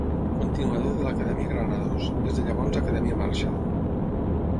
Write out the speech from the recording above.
Continuador de l'Acadèmia Granados, des de llavors Acadèmia Marshall.